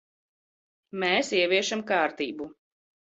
Mēs ieviešam kārtību.